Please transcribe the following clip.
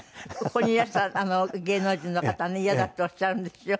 ここにいらした芸能人の方ねイヤだっておっしゃるんですよ。